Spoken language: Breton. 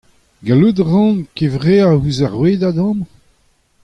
Gallout a ran kevreañ ouzh ar rouedad amañ ?